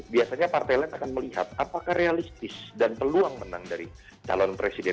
biasanya partai lain akan melihat apakah realistis dan peluang menang dari calon presiden